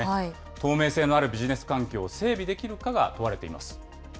透明性のあるビジネス環境を整備できるかが問われています。